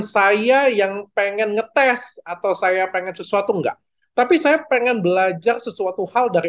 saya yang pengen ngetes atau saya pengen sesuatu enggak tapi saya pengen belajar sesuatu hal dari